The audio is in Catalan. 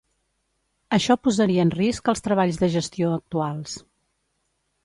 Això posaria en risc els treballs de gestió actuals.